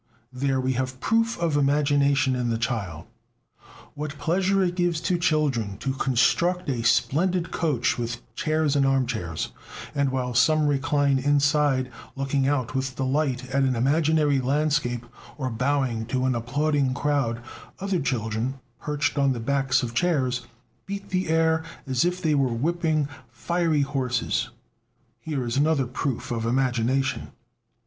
There we have a proof of "imagination" in the child! What pleasure it gives to children to construct a splendid coach with chairs and armchairs; and while some recline inside, looking out with delight at an imaginary landscape, or bowing to an applauding crowd, other children, perched on the backs of chairs, beat the air as if they were whipping fiery horses. Here is another proof of "imagination."